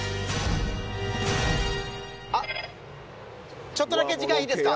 あっちょっとだけ時間いいですか？